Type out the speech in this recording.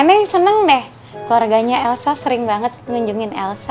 neng seneng deh keluarganya elsa sering banget ngunjungin elsa